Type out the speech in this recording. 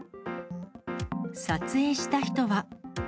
撮影した人は。